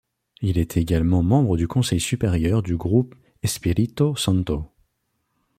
Il est également membre du conseil supérieur du groupe Espírito Santo.